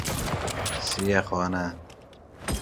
سیه خانه